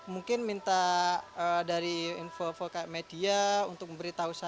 mungkin minta dari info info media untuk memberi tahu